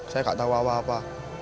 saya gak tau apa apa